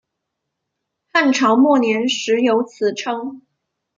汉朝末年始有此称。